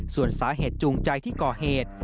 ส่วนสาเหตุจูงใจที่ก่อเหตุ